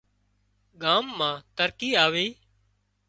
ڳام مان ترقي آوي